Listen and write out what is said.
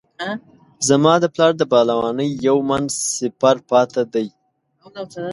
زما د پلار د پهلوانۍ یو من سپر پاته دی.